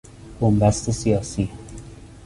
بنبست سیاسی